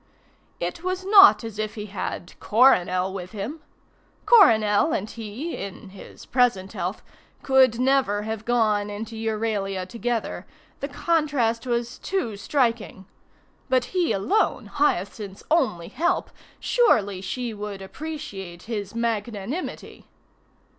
It was not as if he had Coronel with him. Coronel and he (in his present health) could never have gone into Euralia together; the contrast was too striking; but he alone, Hyacinth's only help! Surely she would appreciate his magnanimity.